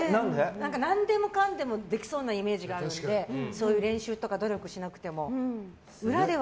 何でもかんでもできそうなイメージがあるのでそういう練習とか努力しなくても。